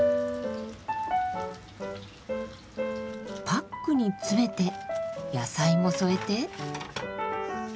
パックに詰めて野菜も添えて。